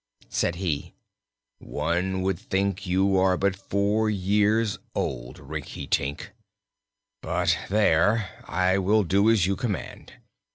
Said he: "One would think you are but four years old, Rinkitink! But there I will do as you command.